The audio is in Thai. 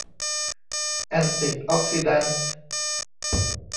แอนติออกซิแดนท์